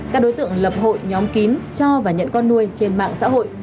các đối tượng lập hội nhóm kín cho và nhận con nuôi trên mạng xã hội